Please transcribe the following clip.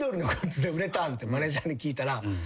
マネジャーに聞いたら。